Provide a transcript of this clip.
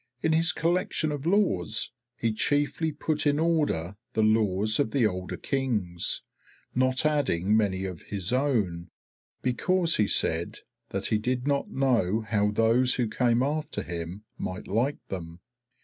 In his collection of laws, he chiefly put in order the laws of the older Kings, not adding many of his own, because he said that he did not know how those who came after him might like them.